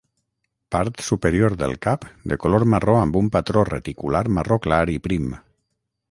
Part superior del cap de color marró amb un patró reticular marró clar i prim.